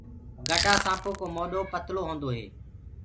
گَڊآ سآنپو ڪو موڏو پتݪو هوندو هي۔